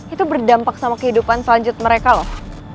itu berdampak sama kehidupan selanjutnya mereka loh